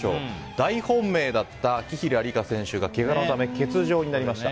大本命だった紀平梨花選手がけがのため欠場になりました。